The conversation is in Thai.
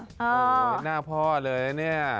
โอ้โฮหน้าพ่อเลยนี่